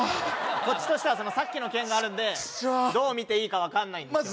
こっちとしてはさっきの件があるんでどう見ていいか分かんないんです